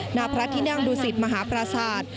หน้าพระธินั่งดุสิตมหาประชาติ